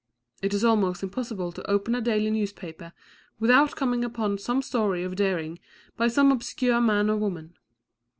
It is almost impossible to open a daily newspaper without coming upon some story of daring by some obscure man or woman.